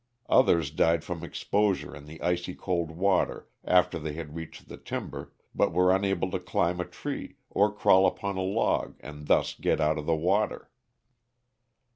Others died from exposure in the icy cold water after they had reached the timber, but were unable to climb a tree or crawl upon a log and thus get out of the water.